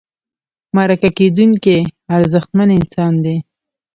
مرکه کېدونکی ارزښتمن انسان دی.